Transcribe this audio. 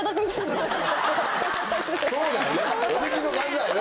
そうだよね